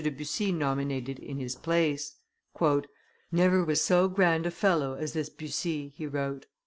de Bussy nominated in his place. "Never was so grand a fellow as this Bussy," he wrote.